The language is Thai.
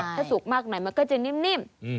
ถ้าสุกมากหน่อยมันก็จะนิ่ม